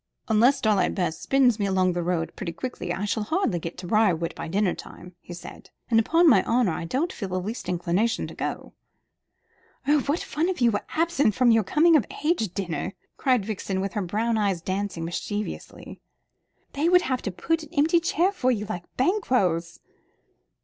"Unless Starlight Bess spins me along the road pretty quickly, I shall hardly get to Briarwood by dinner time," he said; "and upon my honour, I don't feel the least inclination to go." "Oh, what fun if you were absent at your coming of age dinner!" cried Vixen, with her brown eyes dancing mischievously. "They would have to put an empty chair for you, like Banquo's."